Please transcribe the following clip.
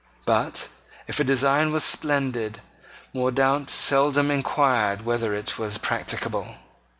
But, if a design was splendid, Mordaunt seldom inquired whether it were practicable.